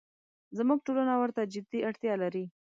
زموږ ټولنه ورته جدي اړتیا لري.